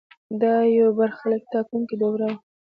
دا یو برخلیک ټاکونکې دوره وه.